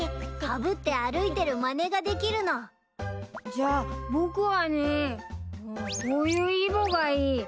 じゃあ僕はねこういうイボがいい。